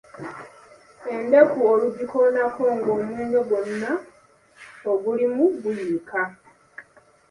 Endeku olugikoonako nga omwenge gwonna ogulimu guyiika.